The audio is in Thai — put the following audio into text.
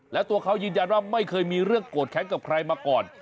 แล้วตัวเขายืนยันว่าไม่เคยมีเรื่องโกรธแค้นกับใครมาก่อน